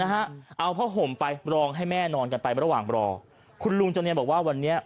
นะฮะเอาผ้าห่มไปรองให้แม่นอนกันไประหว่างรอคุณลุงจำเนียนบอกว่าวันนี้